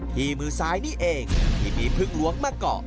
ที่มือซ้ายนี่เองที่มีพึงหลวงมาก่อ